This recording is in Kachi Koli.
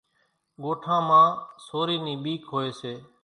ڳوٺان مان سورِي نِي ٻيڪ هوئيَ سي۔